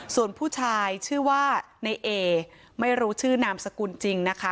ส่วนผู้ชายชื่อว่าในเอไม่รู้ชื่อนามสกุลจริงนะคะ